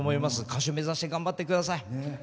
歌手目指して頑張ってください。